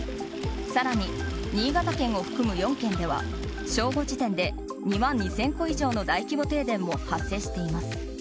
更に、新潟県を含む４県は正午時点で２万２０００戸以上の大規模停電も発生しています。